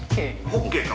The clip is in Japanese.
ホッケーか。